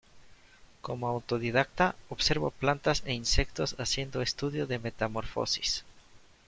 Como autodidacta, observó plantas e insectos haciendo estudio de metamorfosis.